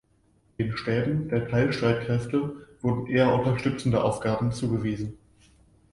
Den Stäben der Teilstreitkräfte wurden eher unterstützende Aufgaben zugewiesen.